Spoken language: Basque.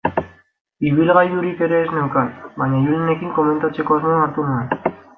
Ibilgailurik ere ez neukan, baina Julenekin komentatzeko asmoa hartu nuen.